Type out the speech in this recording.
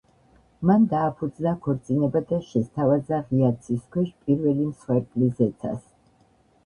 მან დააფუძნა ქორწინება და შესთავაზა ღია ცის ქვეშ პირველი მსხვერპლი ზეცას.